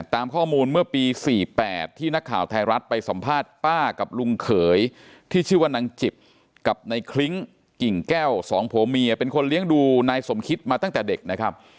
ตามข้อมูลเมื่อปี๔๘ที่นักข่าวไทยรัฐไปสัมภาษณ์ป้ากับลุงเขยที่ชื่อว่านางจิบกับนายคลิ้งกิ่งแก้วสองผัวเมียเป็นคนเลี้ยงดูนายสมคิดมาตั้งแต่เด็กนะครับ